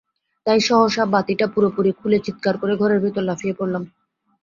তাই সহসা বাতিটা পুরোপুরি খুলে চিৎকার করে ঘরের ভেতরে লাফিয়ে পড়লাম।